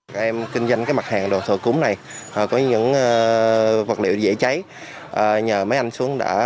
các em kinh doanh mặt hàng đồ thờ cúng này có những vật liệu dễ cháy nhờ mấy anh xuống đã